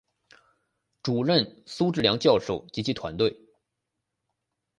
主任苏智良教授及其团队